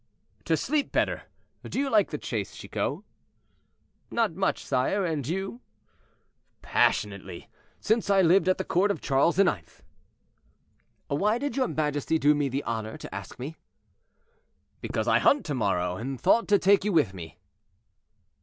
"To sleep better. Do you like the chase, Chicot?" "Not much, sire; and you?" "Passionately; since I lived at the court of Charles IX." "Why did your majesty do me the honor to ask me?" "Because I hunt to morrow, and thought to take you with me."